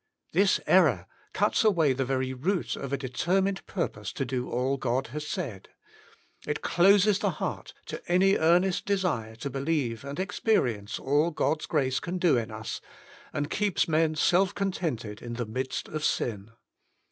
This error cuts away the very root of a determined purpose to do all God has said. It closes the heart to any earnest desire to believe and experience all God's grace can do in us, and keeps men self contented in the midst of sin.